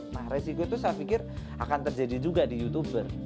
nah resiko itu saya pikir akan terjadi juga di youtuber